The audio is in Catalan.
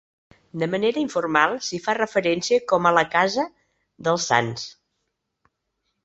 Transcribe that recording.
De manera informal s'hi fa referència com a la "casa dels sants".